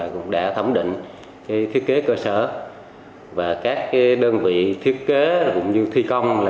cũng đã thẩm định thiết kế cơ sở và các đơn vị thiết kế cũng như thi công